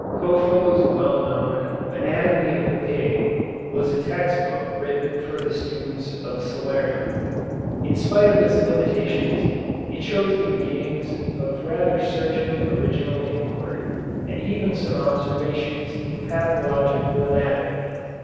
Copho's well known "Anatomy of the Pig" was a text book written for the students of Salerno. In spite of its limitations, it shows the beginnings of rather searching original inquiry and even some observations in pathological anatomy.